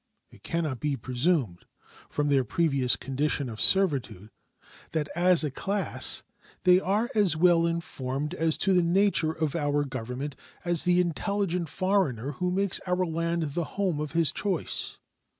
It can not be presumed, from their previous condition of servitude, that as a class they are as well informed as to the nature of our Government as the intelligent foreigner who makes our land the home of his choice.